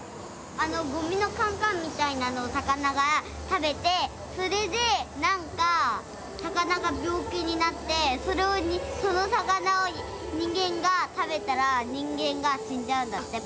ゴミのカンカンみたいなのを魚が食べてそれでなんか魚が病気になってそれをその魚を人間が食べたら人間が死んじゃうんだって。